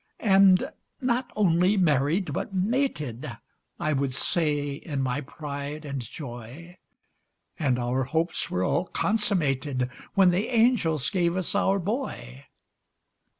And, "not only married but mated," I would say in my pride and joy; And our hopes were all consummated When the angels gave us our boy.